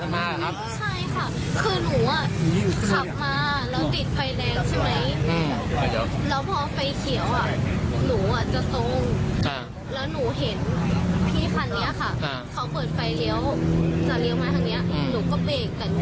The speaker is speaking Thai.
ถ้านูเหล็กไม่ทันก็ตกนูไป